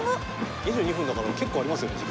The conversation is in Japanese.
２２分だから結構ありますよね時間。